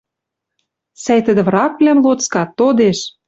Сӓй, тӹдӹ врагвлӓм лоцка, тодеш